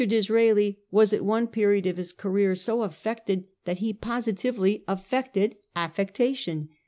Disraeli was at one period of his career so affected that he positively affected affectation.